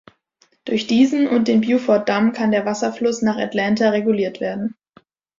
Durch diesen und den Buford Damm kann der Wasserfluss nach Atlanta reguliert werden.